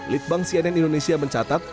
litbang cnn indonesia mencatat